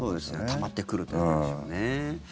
たまってくるということなんでしょうね。